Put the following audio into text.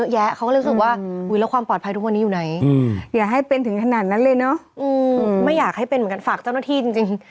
แหละก็ต้องฝากเจ้าหน้าที่จริง